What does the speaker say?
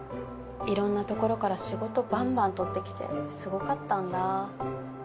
いろんなところから仕事バンバン取ってきてすごかったんだ。